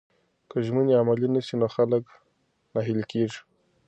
که ژمنې عملي نسي نو خلک ناهیلي کیږي.